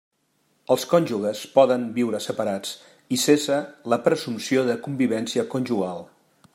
Els cònjuges poden viure separats, i cessa la presumpció de convivència conjugal.